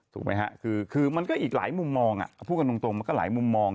ถูกไหมฮะคือมันก็อีกหลายมุมมองพูดกันตรงมันก็หลายมุมมอง